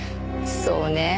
そうねえ。